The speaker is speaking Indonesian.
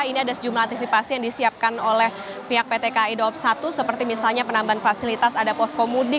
ini ada sejumlah antisipasi yang disiapkan oleh pihak pt kai dawab satu seperti misalnya penambahan fasilitas ada poskomudik